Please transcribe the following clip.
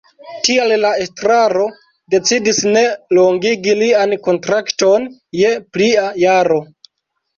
Tial la estraro decidis ne longigi lian kontrakton je plia jaro.